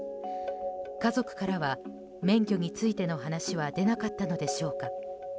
家族からは免許についての話は出なかったのでしょうか。